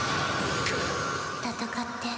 戦って。